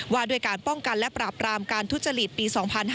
ว่าด้วยการป้องกันและปราบรามการทุจริตปี๒๕๕๙